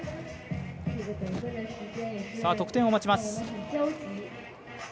得点を待ちます。